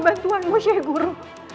bantuanmu sheikh guru